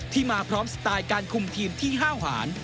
มาพร้อมสไตล์การคุมทีมที่ห้าวหาร